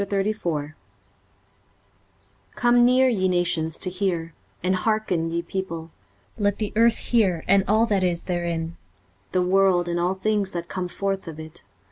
23:034:001 Come near, ye nations, to hear; and hearken, ye people: let the earth hear, and all that is therein; the world, and all things that come forth of it.